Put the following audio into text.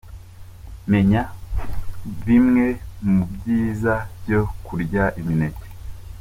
Menya bimwe mu byiza byo kurya imineke:.